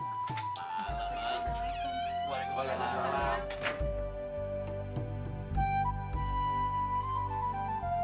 assalamualaikum warahmatullahi wabarakatuh